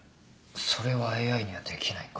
それはＡＩにはできないか。